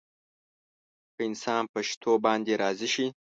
که انسان په شتو باندې راضي شي.